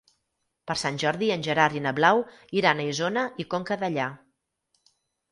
Per Sant Jordi en Gerard i na Blau iran a Isona i Conca Dellà.